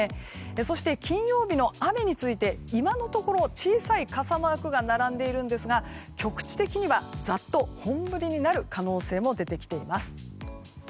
そして、金曜日の雨について今のところ小さい傘マークが並んでいますが局地的には、ザッと本降りになる可能性も出てきています。